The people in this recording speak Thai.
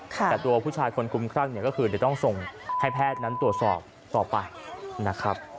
แต่ตัวผู้ชายคนคุ้มครั่งเนี่ยก็คือเดี๋ยวต้องส่งให้แพทย์นั้นตรวจสอบต่อไปนะครับ